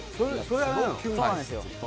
そうなんですよ